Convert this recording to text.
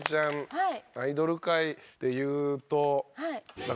はい。